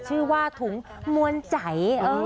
ชื่อว่าถุงมวลใจ